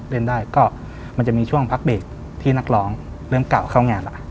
เล่นได้ก็มันจะมีช่วงพักเบรกที่นักร้องเริ่มเก่าเข้างานแล้ว